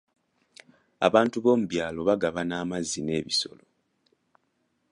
Abantu b'omu byalo bagabana amazzi n'ebisolo.